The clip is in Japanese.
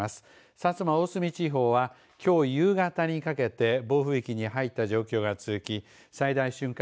薩摩・大隅地方はきょう夕方にかけて暴風域に入った状況が続き最大瞬間